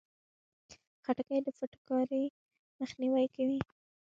خټکی د فټکاري مخنیوی کوي.